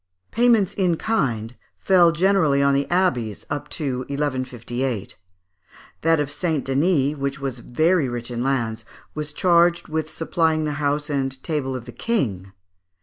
Payments in kind fell generally on the abbeys, up to 1158. That of St. Denis, which was very rich in lands, was charged with supplying the house and table of the King.